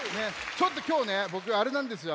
ちょっときょうねぼくあれなんですよ